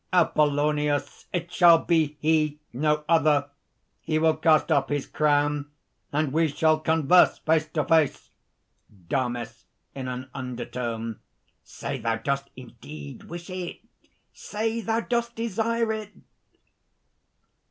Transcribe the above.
APOLLONIUS. "It shall be He! no other! He will cast off his crown, and we shall converse face to face!" DAMIS (in an undertone). "Say thou dost indeed wish it! say thou dost desire it!"